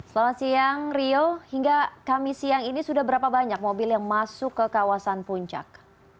selamat siang rio hingga kami siang ini sudah berapa banyak mobil yang masuk ke kawasan puncak